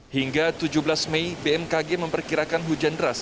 hingga tujuh belas mei bmkg memperkirakan hujan deras